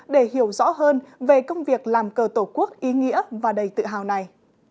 để hiểu rõ hơn về công việc làm cờ tổ quốc ý nghĩa và đầy tự hào này